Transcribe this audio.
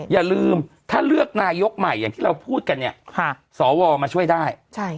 อย่าลืมถ้าเลือกนายกใหม่อย่างที่เราพูดกันเนี่ยสวมาช่วยได้